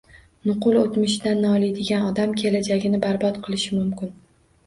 Nuqul o’tmishidan noliydigan odam kelajagini barbod qilishi mumkin.